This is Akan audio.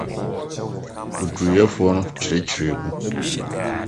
Oduruyɛfo no Kyerɛkyerɛ Mu